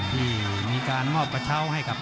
ที่มีการมอบกระเช้าให้กับ